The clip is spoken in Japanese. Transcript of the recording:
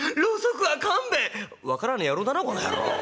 「分からねえ野郎だなこの野郎。